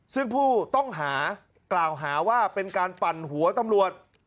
ซึ่งผู้ต้องหากล่าวหาว่าเป็นการปั่นหัวตำรวจ